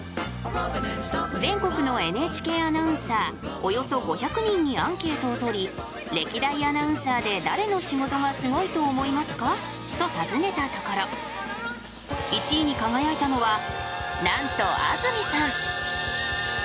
全国のＮＨＫのアナウンサーおよそ５００人にアンケートを取り「歴代アナウンサーで誰の仕事がすごいと思いますか？」と尋ねたところ１位に輝いたのはなんと安住さん。